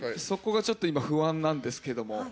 そこがちょっと今不安なんですけども。